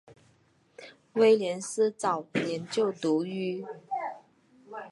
威廉斯早年就读于。